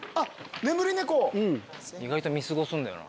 意外と見過ごすんだよな。